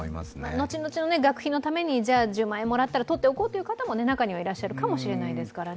後々の学費のために１０万円をもらったらとっておこうという人を中にはいらっしゃるかもしれないですからね。